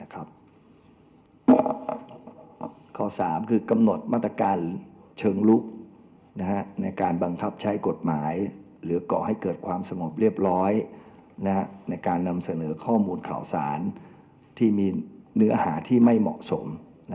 ข้อ๓คือกำหนดมาตรการเชิงลุกในการบังคับใช้กฎหมายหรือก่อให้เกิดความสงบเรียบร้อยในการนำเสนอข้อมูลข่าวสารที่มีเนื้อหาที่ไม่เหมาะสม